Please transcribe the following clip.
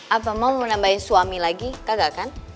apa mau menambahin suami lagi gagal kan